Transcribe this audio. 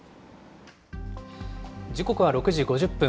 時刻は６時５０分。